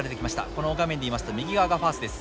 この画面で言いますと右側がファースです。